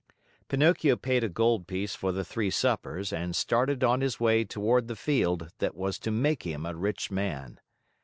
Pinocchio paid a gold piece for the three suppers and started on his way toward the field that was to make him a rich man.